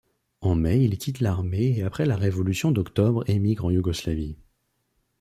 En mai il quitte l’armée et après la révolution d’octobre émigre en Yougoslavie.